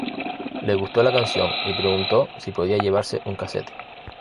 Le gustó la canción y preguntó si podía llevarse un cassette.